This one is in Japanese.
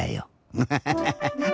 ウハハハハ。